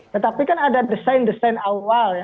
tetapi kan ada desain desain awal ya